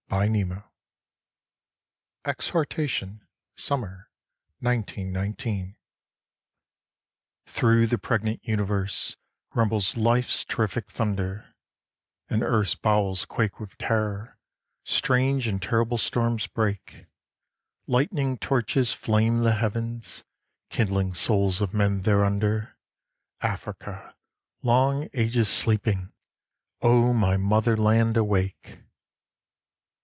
Claude McKay Exhortation: Summer, 1919 THROUGH the pregnant universe rumbles life's terrific thunder, And Earth's bowels quake with terror; strange and terrible storms break, Lightning torches flame the heavens, kindling souls of men, thereunder: Africa! long ages sleeping, O my motherland, awake!